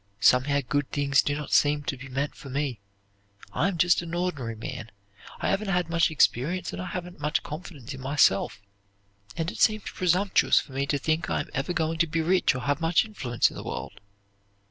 Somehow good things do not seem to be meant for me. I am just an ordinary man, I haven't had much experience and I haven't much confidence in myself, and it seems presumptuous for me to think I am ever going to be rich or have much influence in the world."